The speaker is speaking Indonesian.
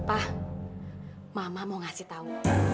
pak mama mau ngasih tahu